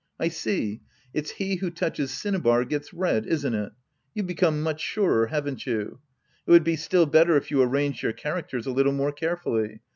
I see, it's " He who touches cinnabar, gets red," isn't it ? You've become much surer, haven't you? It would be still better if you arranged your characters a little more carefully.